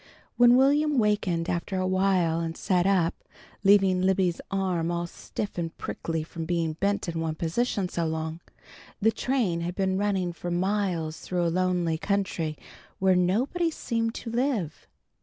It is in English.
When Will'm wakened after a while and sat up, leaving Libby's arm all stiff and prickly from being bent in one position so long, the train had been running for miles through a lonely country where nobody seemed to live.